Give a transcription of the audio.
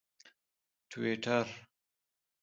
ټویټر